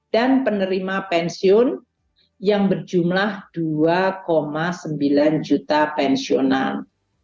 dan penerima pensiun yang berjumlah dua sembilan juta pensiunan